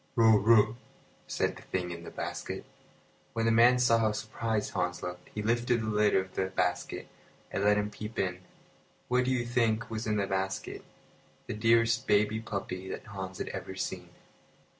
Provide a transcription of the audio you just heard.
"Row, row!" said the thing in the basket. When the man saw how surprised Hans looked, he lifted the lid of the basket and let him peep in. What do you think was in the basket? The dearest baby puppy that Hans had ever seen.